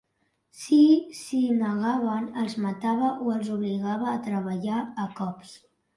Si s'hi negaven, els matava o els obligava a treballar a cops.